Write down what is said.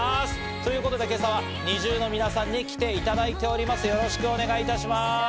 ということで、今朝はＮｉｚｉＵの皆さんに来ていただいております、よろしくお願いします！